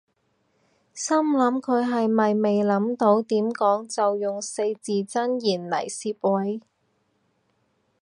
心諗佢係咪未諗到點講就用四字真言嚟攝位